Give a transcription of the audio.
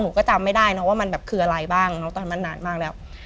ก็จำไม่ได้นะว่ามันแบบคืออะไรบ้างเนอะตอนนั้นนานมากแล้ว